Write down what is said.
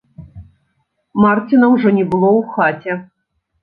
Марціна ўжо не было ў хаце.